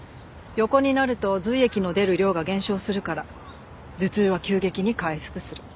横になると髄液の出る量が減少するから頭痛は急激に回復する。